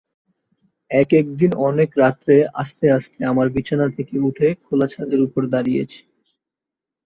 এক-একদিন অনেক রাত্রে আস্তে আস্তে আমার বিছানা থেকে উঠে খোলা ছাদের উপর দাঁড়িয়েছি।